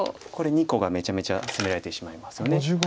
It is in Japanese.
これ２個がめちゃめちゃ攻められてしまいますよね。